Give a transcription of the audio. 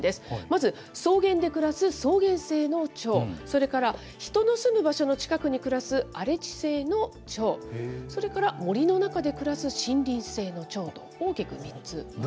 まず草原で暮らす草原性のチョウ、それから、ヒトの住む場所の近くに暮らす荒地性のチョウ、それから森の中で暮らす森林性のチョウと大きく３つ。